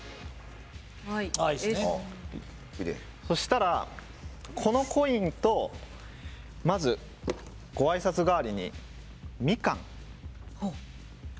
そしたら、このコインとまずごあいさつ代わりにみかん。